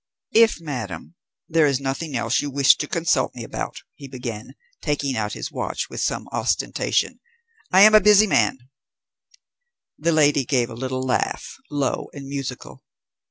"If, madam, there is nothing else you wish to consult me about," he began, taking out his watch with some ostentation "I am a busy man " The lady gave a little laugh, low and musical.